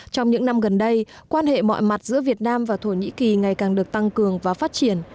trong những năm gần đây quan hệ mọi mặt giữa việt nam và thổ nhĩ kỳ ngày càng được tăng cường và phát triển